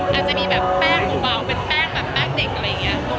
อาจจะมีแบบแป้งเบาเป็นแป้งแบบแป้งเด็กอะไรอย่างนี้